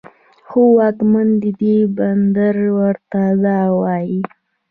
خو واکمن د دې بندر ورته دا وايي